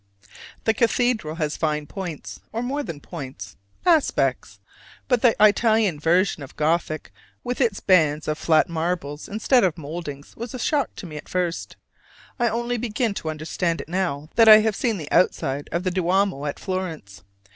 The cathedral has fine points, or more than points aspects: but the Italian version of Gothic, with its bands of flat marbles instead of moldings, was a shock to me at first. I only begin to understand it now that I have seen the outside of the Duomo at Florence.